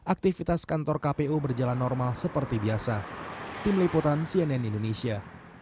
aktivitas kantor kpu berjalan normal seperti biasa